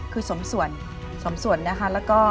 คือสมสวนสมสวนนะคะ